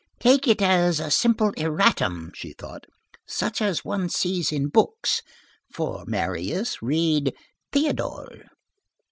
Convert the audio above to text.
"Take it as a simple erratum," she thought, "such as one sees in books. For Marius, read Théodule."